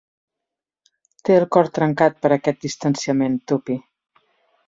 Té el cor trencat per aquest distanciament, Tuppy.